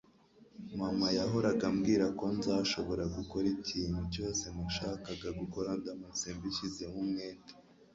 Mama yahoraga ambwira ko nzashobora gukora ikintu cyose nashakaga gukora ndamutse mbishyizeho umwete.